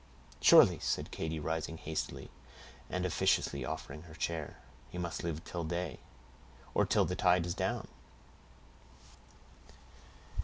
"Surely," said Katy, rising hastily, and officiously offering her chair. "He must live till day, or till the tide is down."